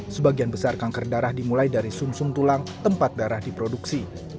sebagian besar kanker darah dimulai dari sum sum tulang tempat darah diproduksi